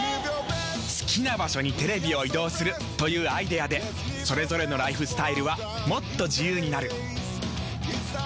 好きな場所にテレビを移動するというアイデアでそれぞれのライフスタイルはもっと自由になる。